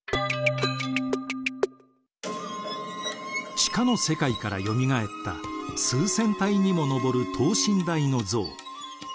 地下の世界からよみがえった数千体にも上る等身大の像。